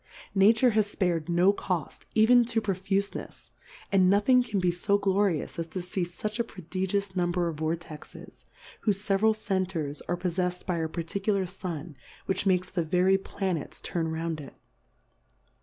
Nature has fpar'd no Coft, even to profufenefs, and no thing can be fo glorious, as to fee fucli a prodigious Number of Vortexes, whofe feveral Centers are poffefsM by a parti cular Sun, which makes the very Pla nets turn round it.